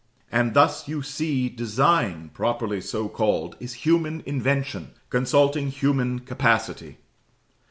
And thus you see design, properly so called, is human invention, consulting human capacity.